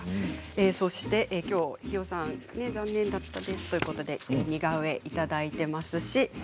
そして、きょう氷魚さん残念だったですと似顔絵をいただいています。